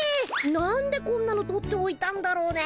なんでこんなの取っておいたんだろうね。